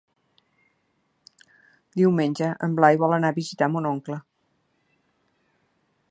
Diumenge en Blai vol anar a visitar mon oncle.